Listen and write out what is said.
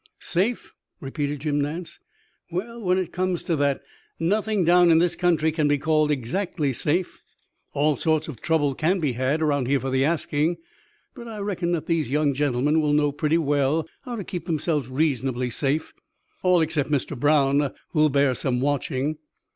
"Safe?" repeated Jim Nance. "Well, when it comes to that, nothing down in this country can be called exactly safe. All sorts of trouble can be had around here for the asking. But I reckon that these young gentlemen will know pretty well how to keep themselves reasonably safe all except Mr. Brown, who'll bear some watching."